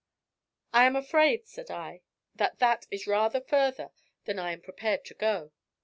"I am afraid," said I, "that that is rather further than I am prepared to go.